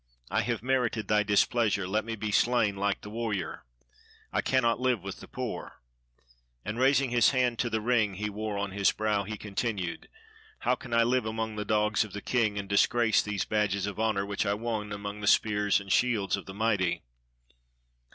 I have merited thy displeasure: let me be slain like the warrior. I cannot live with the poor." And raising his hand to the ring he wore on his brow, he continued : "How can I live among the dogs of the king, and disgrace these badges of honor which I won among the spears and shields of the mighty?